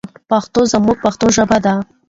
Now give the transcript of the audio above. پښتو زموږ پښتنو ژبه ده.